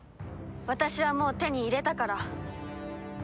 私はもう手に入れたから。